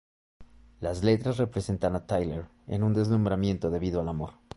Las letras representan a Tyler en un deslumbramiento debido al amor.